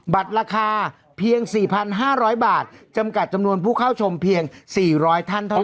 บัตรราคาเพียงสี่พันห้าร้อยบาทจำกัดจำนวนผู้เข้าชมเพียงสี่ร้อยท่านเท่านั้น